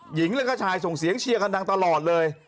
หญิงแล้วก็ชายส่งเสียงเชียร์กันดังตลอดเลย